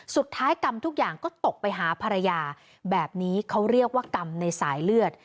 กรรมทุกอย่างก็ตกไปหาภรรยาแบบนี้เขาเรียกว่ากรรมในสายเลือด